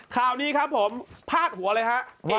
ข่านี้ครับผมพลาดหัวเลยครับ